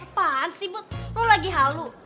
apaan sih bud lu lagi halu